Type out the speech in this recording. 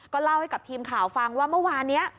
เล่าให้กับทีมข่าวฟังว่าเมื่อวานนี้